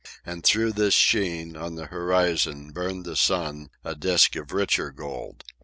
And through this sheen, on the horizon, burned the sun, a disc of richer gold.